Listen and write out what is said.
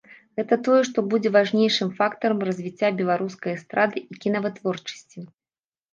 Гэта тое, што будзе важнейшым фактарам развіцця беларускай эстрады і кінавытворчасці.